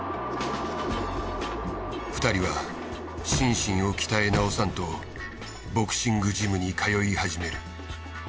２人は心身を鍛え直さんとボクシングジムに通い始める。